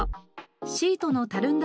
シートのたるんだ